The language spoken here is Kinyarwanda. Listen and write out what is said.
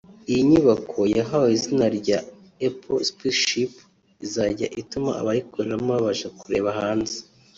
Iyi nyubako yahawe izina rya Apple Spaceship izajya ituma abayikoreramo babasha kureba hanze